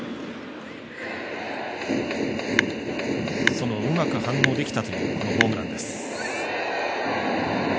そのうまく反応できたというホームランです。